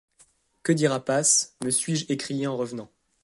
Que dira Paz? me suis-je écrié en revenant.